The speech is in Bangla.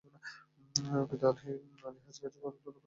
পিতা আলহাজ গাজী মাওলানা আব্দুল বারি খাঁ ও মাতা বেগম রাবেয়া খাতুন।